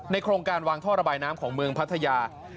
โครงการวางท่อระบายน้ำของเมืองพัทยา